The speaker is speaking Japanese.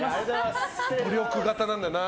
努力型なんだな。